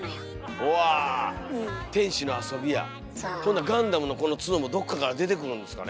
ほなガンダムのこのツノもどっかから出てくるんですかね。